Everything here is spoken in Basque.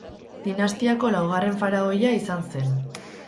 Dinastiako laugarren faraoia izan zen.